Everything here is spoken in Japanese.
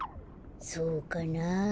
そうかなあ。